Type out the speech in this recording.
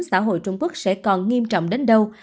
xã hội trung quốc sẽ còn nghiêm trọng đến đâu